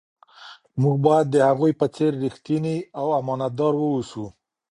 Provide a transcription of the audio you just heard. موږ باید د هغوی په څیر ریښتیني او امانتدار واوسو.